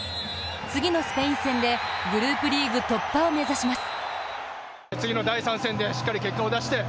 次のスペイン戦でグループリーグ突破を目指します。